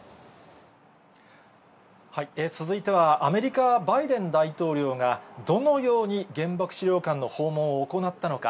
続いては、アメリカ、バイデン大統領がどのように原爆資料館の訪問を行ったのか。